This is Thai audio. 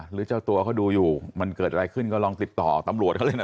เจ้าตัวเขาดูอยู่มันเกิดอะไรขึ้นก็ลองติดต่อตำรวจเขาเลยนะ